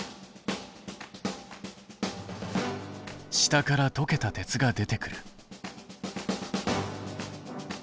下からとけた鉄が出てくる。